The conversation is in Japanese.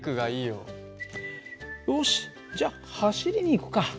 よしじゃあ走りに行くか。